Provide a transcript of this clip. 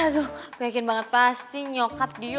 gua yakin banget pasti nyokap dia